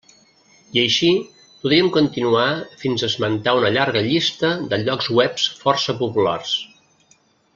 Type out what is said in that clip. I així podríem continuar fins a esmentar una llarga llista de llocs webs força populars.